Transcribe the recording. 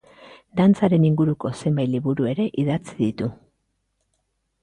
Dantzaren inguruko zenbait liburu ere idatzi ditu.